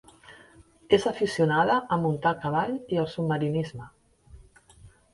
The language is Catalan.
És aficionada a muntar a cavall i al submarinisme.